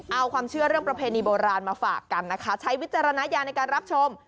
เอาความเชื่อเรื่องประเพณีโบราณมาฝากกันนะคะใช้วิจารณญาณในการรับชม